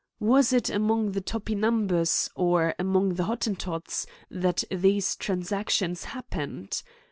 Was it among the Topinambous or among the Hot tentots that these transactions happened?